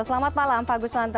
selamat malam pak guswanto